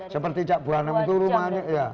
seperti cak buanam itu rumahnya